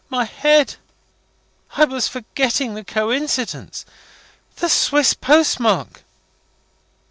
My head! I was forgetting the coincidence. The Swiss postmark."